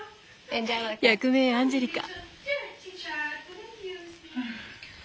役名アンジェリカ。